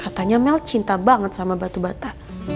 katanya mel cinta banget sama batu bata